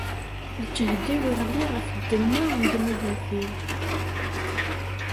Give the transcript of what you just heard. Lǧehd-iw iɣli ɣef ddemma n ddnubat-iw.